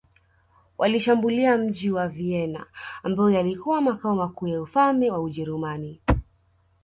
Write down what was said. Walishambulia mji wa Vienna ambayo yalikuwa makao makuu ya ufalme wa Ujerumani